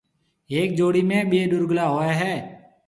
هڪ جوڙِي ٻي ڏورگلا هوئي هيَ